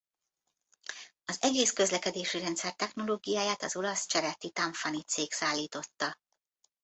Az egész közlekedési rendszer technológiáját az olasz Ceretti-Tanfani cég szállította.